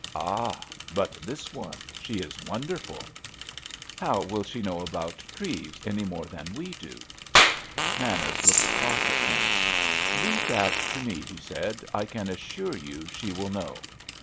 "Ah, but this one, she is wonderful!" "How will she know about Treves, any more than we do?" Manners looked across at him. "Leave that to me," he said, "I can assure you she will know."